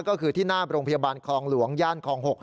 ก็คือที่หน้าโรงพยาบาลคลองหลวงย่านคลอง๖